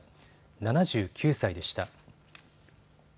７９歳でした。